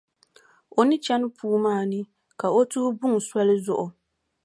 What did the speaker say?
O ni chani puu maa ni, ka o tuhi buŋa soli zuɣu.